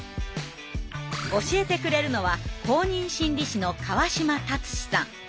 教えてくれるのは公認心理師の川島達史さん。